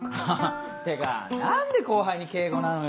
てか何で後輩に敬語なのよ。